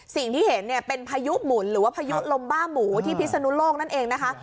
สิ่งที่เห็นเนี่ยเป็นพายุหมุนหรือว่าพายุลมบ้าหมูที่พิศนุโลกนั่นเองนะคะ